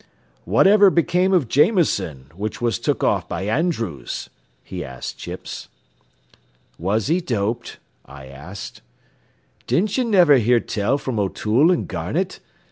"Whatever became of Jameson, what was took off by Andrews?" he asked Chipps. "Was he doped?" I asked. "Didn't ye niver hear tell from O'Toole an' Garnett?